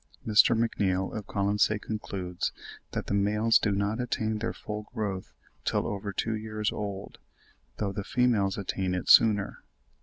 Mr. McNeill, of Colonsay, concludes that "the males do not attain their full growth till over two years old, though the females attain it sooner."